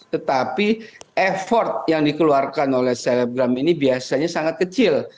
tetapi effort yang dikeluarkan oleh selebgram ini biasanya sangat kecil